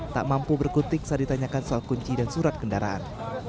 tak mampu berkutik saat ditanyakan soal kunci dan surat kendaraan